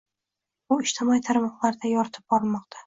U ijtimoiy tarmoqlarda yoritib borilmoqda.